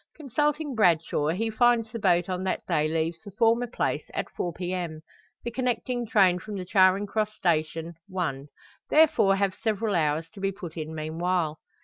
Consulting Bradshaw, he finds the boat on that day leaves the former place at 4 p.m.; the connecting train from the Charing Cross station, 1. Therefore have several hours to be put in meanwhile.